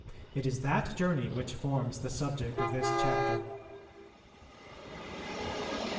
It is that journey which forms the subject of this chapter.